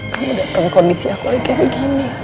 kamu datang kondisi aku lagi kayak begini